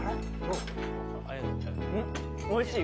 おいしい。